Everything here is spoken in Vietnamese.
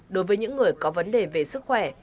đối với những người có vấn đề về sức khỏe